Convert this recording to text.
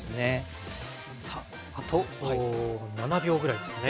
さああと７秒ぐらいですね。